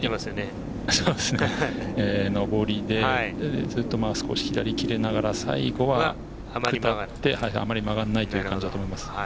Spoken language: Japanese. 上りで、少し左に切れながら、最後は下ってあまり曲がらないという感じだと思います。